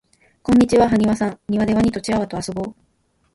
こんにちははにわさんにわでワニとチワワとあそぼう